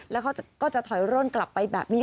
เราก็จะถอยร่งกลับไปแบบนี้